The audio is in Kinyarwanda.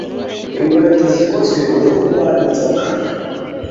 Inkweto zikozwe mu ruhu rwa inzoka.